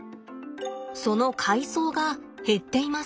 その海藻が減っています。